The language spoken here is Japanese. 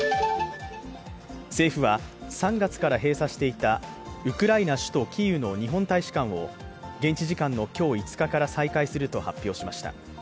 政府は、３月から閉鎖していたウクライナ首都キーウの日本大使館を現地時間の今日５日から再開すると発表しました。